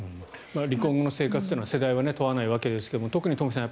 離婚後の生活というのは世代を問わないわけですが特に東輝さん